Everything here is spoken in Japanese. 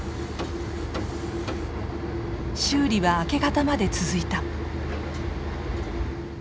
修理は明け方まで続いた。